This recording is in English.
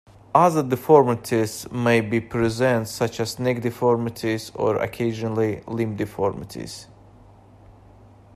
Other deformities may be present, such as neck deformities, or, occasionally, limb deformities.